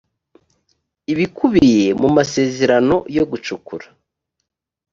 ibikubiye mu masezerano yo gucukura